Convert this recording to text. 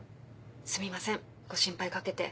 すみませんご心配かけて。